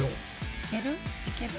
いける？